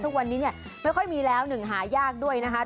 ทุกวันนี้เนี่ยไม่ค่อยมีแล้วหนึ่งหายากด้วยนะคะ